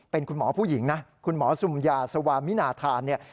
เป็นคุณหมอผู้หญิงคุณหมอสุมมยาสวามินาธาน